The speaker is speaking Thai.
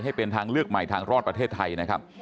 ให้เป็นทางเลือกใหม่ทางรอดประเทศไทยนะครับ